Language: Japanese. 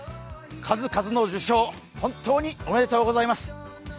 数々の受賞、本当におめでとうございます。